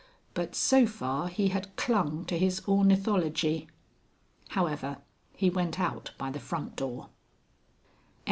But so far he had clung to his ornithology.... However, he went out by the front door. IV.